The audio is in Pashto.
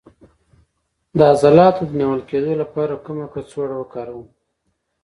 د عضلاتو د نیول کیدو لپاره کومه کڅوړه وکاروم؟